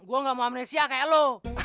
gue gak mau amnesia kayak lo